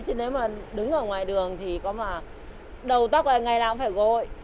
chứ nếu mà đứng ở ngoài đường thì có mà đầu tóc này ngày nào cũng phải gội